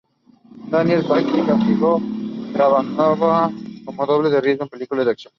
Daniel Patrick Cassidy trabajaba como doble de riesgo en películas de acción.